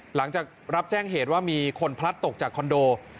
หลังจากรับแจ้งเหตุว่ามีคนพลัดตกจากคอนโด